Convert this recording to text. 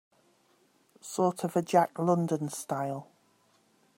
Sort of a Jack London style?